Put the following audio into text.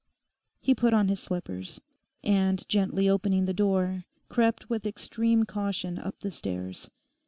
He put on his slippers, and, gently opening the door, crept with extreme caution up the stairs.